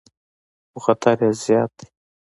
خو خطر یې زیات دی.